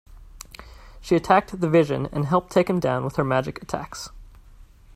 She attacked the Vision and helped take him down with her magic attacks.